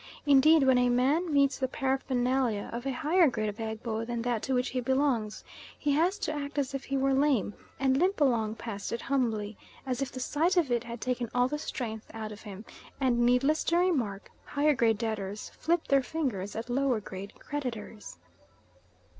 Indeed, when a man meets the paraphernalia of a higher grade of Egbo than that to which he belongs, he has to act as if he were lame, and limp along past it humbly, as if the sight of it had taken all the strength out of him, and, needless to remark, higher grade debtors flip their fingers at lower grade creditors.